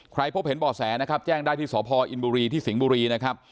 พบเห็นบ่อแสนะครับแจ้งได้ที่สพอินบุรีที่สิงห์บุรีนะครับ